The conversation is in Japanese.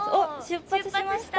出発しました。